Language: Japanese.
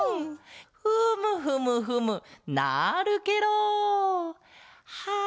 フムフムフムなるケロ！はあ